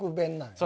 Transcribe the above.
そう。